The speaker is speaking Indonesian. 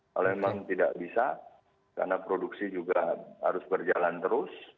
kalau memang tidak bisa karena produksi juga harus berjalan terus